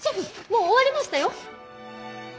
もう終わりましたよ。